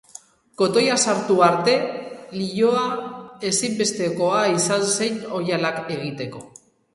Kotoia sartu arte, lihoa ezinbestekoa izan zen oihalak egiteko.